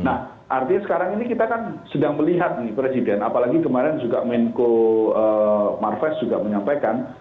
nah artinya sekarang ini kita kan sedang melihat nih presiden apalagi kemarin juga menko marves juga menyampaikan